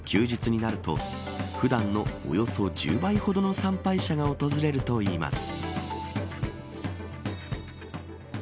休日になると普段のおよそ１０倍ほどの参拝者が訪れるといいます。